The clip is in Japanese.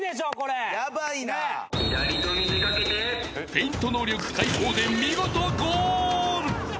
［フェイント能力解放で見事ゴール］